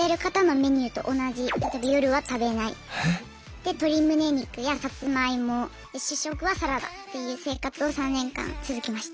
で鶏むね肉やさつまいも主食はサラダっていう生活を３年間続けました。